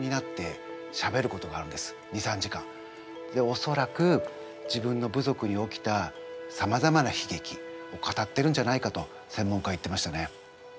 おそらく自分の部族に起きたさまざまなひげきを語ってるんじゃないかとせんもんかは言ってましたね。